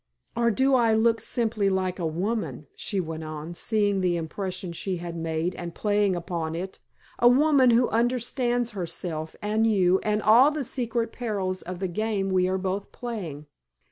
"Or do I look simply like a woman?" she went on, seeing the impression she had made, and playing upon it. "A woman who understands herself and you and all the secret perils of the game we are both playing?